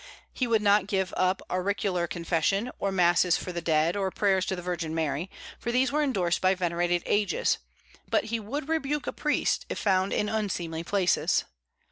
He would not give up auricular confession, or masses for the dead, or prayers to the Virgin Mary, for these were indorsed by venerated ages; but he would rebuke a priest if found in unseemly places.